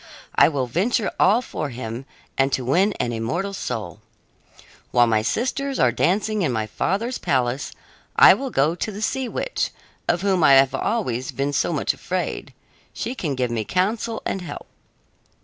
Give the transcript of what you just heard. I will venture all for him and to win an immortal soul. While my sisters are dancing in my father's palace I will go to the sea witch, of whom I have always been so much afraid; she can give me counsel and help."